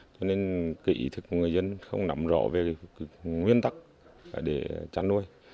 cho nên cái ý thức của người dân không nắm rõ về nguyên tắc để chăn nuôi